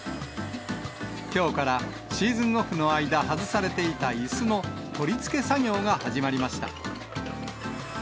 きょうからシーズンオフの間、外されていたいすの取り付け作業が始まりました。